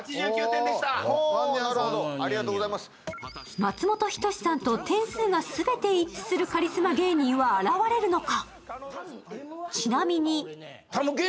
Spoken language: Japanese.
松本人志さんと点数が全て一致するカリスマ芸人は現れるのか？